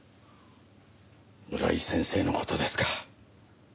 村井先生の事ですか。